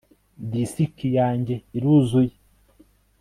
Disiki yanjye iruzuye